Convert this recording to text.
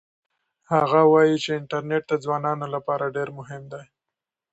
هغه وایي چې انټرنيټ د ځوانانو لپاره ډېر مهم دی.